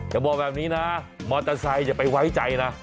อย่าบอกแบบนี้นะมอเตอร์ไซค์อย่าไปไว้ใจนะ